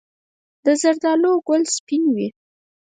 د زردالو ګل سپین وي؟